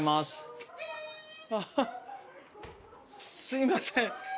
すみません。